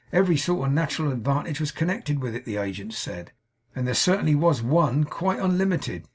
Every sort of nateral advantage was connected with it, the agents said; and there certainly was ONE, quite unlimited.